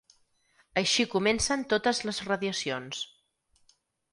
Així comencen totes les radiacions.